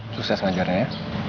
sukses mengajarnya ya